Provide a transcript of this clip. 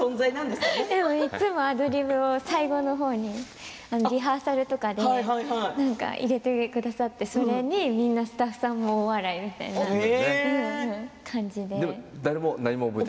でもいつもアドリブ最後の方にリハーサルとか入れてくださってそれにみんなスタッフさんも大笑いみたいな感じで。